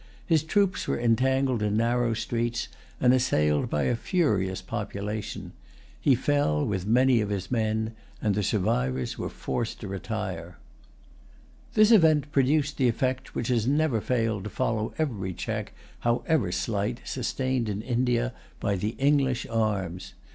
His troops were entangled in narrow streets, and assailed by a furious population. He fell, with many of his men; and the survivors were forced to retire. This event produced the effect which has never failed to follow every check, however slight, sustained in India by the English arms.